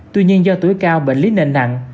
tuy nhiên do tuổi cao bệnh lý nền nặng